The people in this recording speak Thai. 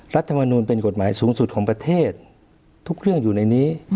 รัฐมนูลเป็นกฎหมายสูงสุดของประเทศทุกเรื่องอยู่ในนี้